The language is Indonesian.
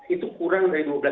itu kurang dari dua belas bulan